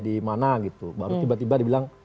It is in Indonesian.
di mana gitu baru tiba tiba dibilang